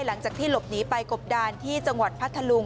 หลังจากที่หลบหนีไปกบดานที่จังหวัดพัทธลุง